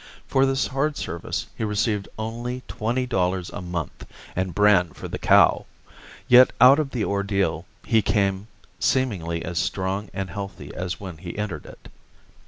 For this hard service he received only twenty dollars a month and bran for the cow. Yet out of the ordeal he came seemingly as strong and healthy as when he entered it.